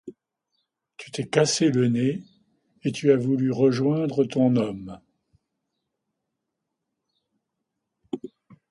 Tu t’es cassé le nez, et tu as voulu rejoindre ton homme.